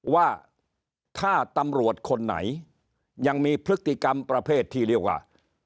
ว่าถ้าตำรวจคนไหนยังมีพฤติกรรมประเภทที่เรียกว่า